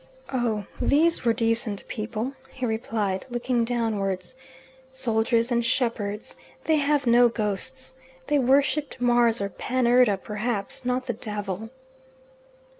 "Oh, these were decent people," he replied, looking downwards "soldiers and shepherds. They have no ghosts. They worshipped Mars or Pan Erda perhaps; not the devil."